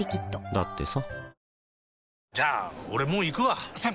だってさ